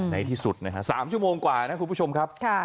ในที่สุดนะฮะ๓ชั่วโมงกว่านะคุณผู้ชมครับ